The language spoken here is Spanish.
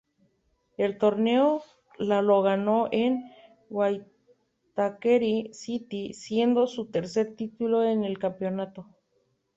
El torneo lo ganó el Waitakere City, siendo su tercer título en el campeonato.